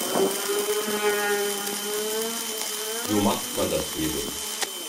So macht man das eben.